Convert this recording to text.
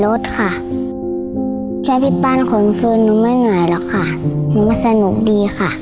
ลองกันถามอีกหลายเด้อ